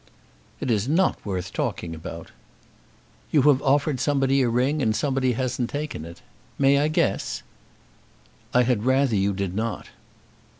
"It is not worth talking about." "You have offered somebody a ring, and somebody hasn't taken it. May I guess?" "I had rather you did not."